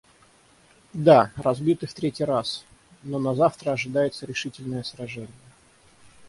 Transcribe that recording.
Да, разбиты в третий раз, но назавтра ожидается решительное сражение.